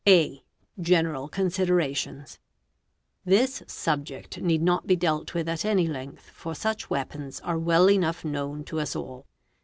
A. General Considerations. This subject need not be dealt with at any length for such weapons are well enough known to us all.